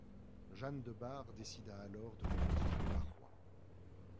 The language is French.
Jeanne de Bar décida alors de revendiquer le Barrois.